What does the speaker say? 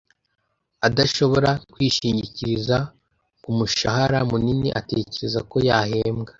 adashobora kwishingikiriza ku mushahara munini atekereza ko yahembwa.